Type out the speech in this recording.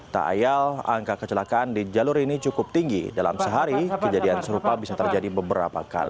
tak ayal angka kecelakaan di jalur ini cukup tinggi dalam sehari kejadian serupa bisa terjadi beberapa kali